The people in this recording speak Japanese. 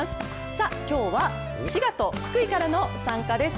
きょうは、滋賀と福井からの参加です。